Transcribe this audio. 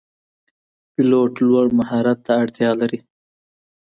پیلوټ لوړ مهارت ته اړتیا لري.